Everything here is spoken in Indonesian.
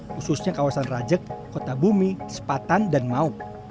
khususnya kawasan rajek kota bumi sepatan dan maut